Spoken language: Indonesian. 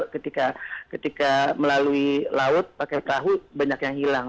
ketika melalui laut pakai tahu banyak yang hilang